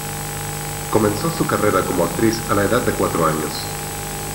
Comenzó su carrera como actriz a la edad de cuatro años.